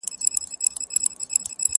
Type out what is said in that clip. اوس د مطرب ستوني کي نسته پرونۍ سندري،